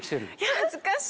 恥ずかしい。